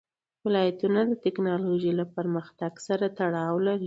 ولایتونه د تکنالوژۍ له پرمختګ سره تړاو لري.